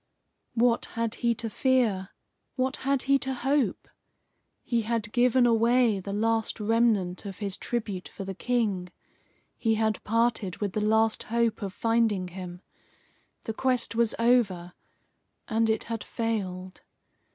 What had he to fear? What had he to hope? He had given away the last remnant of his tribute for the King. He had parted with the last hope of finding him. The quest was over, and it had failed.